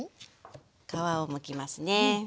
皮をむきますね。